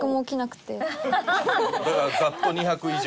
だからざっと２００以上？